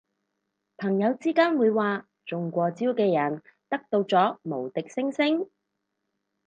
朋友之間會話中過招嘅人得到咗無敵星星